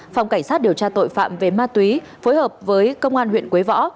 phòng cảnh sát điều tra tội phạm về ma túy phối hợp với công an huyện quế võ